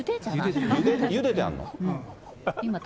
ゆでてあるの？